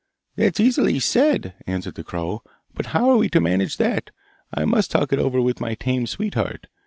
'That's easily said!' answered the crow, 'but how are we to manage that? I must talk it over with my tame sweetheart.